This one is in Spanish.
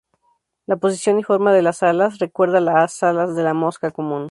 La posición y forma de las "alas" recuerda las alas de la mosca común.